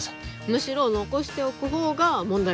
むしろ残しておく方が問題があると？